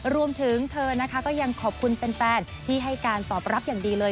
รวมถึงเธอนะคะก็ยังขอบคุณแฟนที่ให้การตอบรับอย่างดีเลย